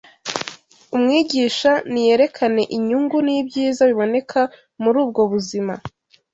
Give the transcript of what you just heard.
Umwigisha niyerekane inyungu n’ibyiza biboneka muri ubwo buzima